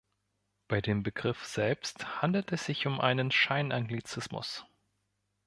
Bei dem Begriff selbst handelt es sich um einen Scheinanglizismus.